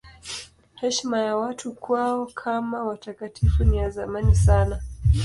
Heshima ya watu kwao kama watakatifu ni ya zamani sana.